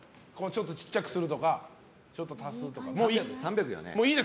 小さくするとかちょっと足すとか。